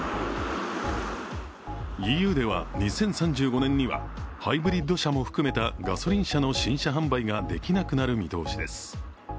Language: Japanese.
ＥＵでは、２０３５年にはハイブリッド車も含めたガソリン車の新車販売ができなくなる見通しです。